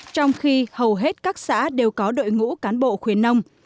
trong khi hầu hết các xã đều có đội ngũ cán bộ khuyến nông